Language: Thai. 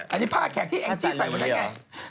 อันนี้ผ้าแขกที่แองซี่ใส่ไว้ดีหรอ